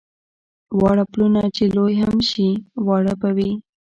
واړه پلونه چې لوی هم شي واړه به وي.